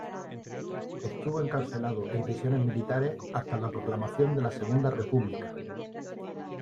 Estuvo encarcelado en prisiones militares hasta la proclamación de la Segunda República.